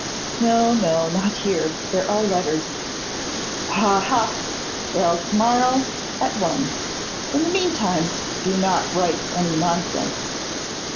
'No, no, not here: there are letters.' 'Ha, ha! Well, to morrow, at one. In the meantime, do not write any nonsense.